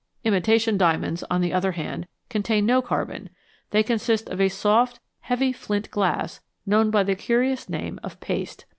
Imitation diamonds, on the other hand, contain no carbon ; they consist of a soft, heavy flint glass, known by the curious name of " paste."